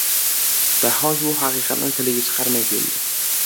Daho ushbu haqiqatni tiliga chiqarmay keldi.